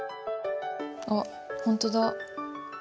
あっほんとだ。